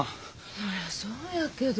そりゃそうやけど。